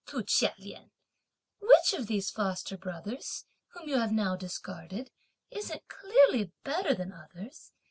(to Chia Lien.) Which of those foster brothers whom you have now discarded, isn't clearly better than others?